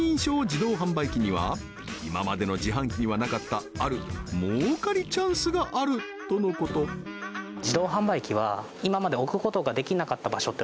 自動販売機には今までの自販機にはなかったある儲かりチャンスがあるとのことになってます